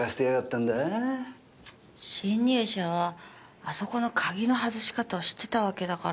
侵入者はあそこの鍵の外し方を知ってたわけだから。